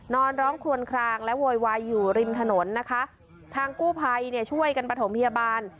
นอนร้องคลวนคลางและโวยวายอยู่ริมถนนนะคะทางกู้ภัยเนี่ยช่วยกันประถมพยาบาล